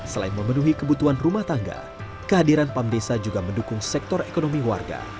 selain memenuhi kebutuhan rumah tangga kehadiran pam desa juga mendukung sektor ekonomi warga